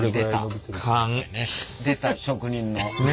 出た職人の。